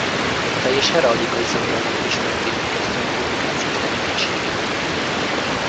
A teljes heraldikai szakirodalom ismeretében kezdte meg publikációs tevékenységét.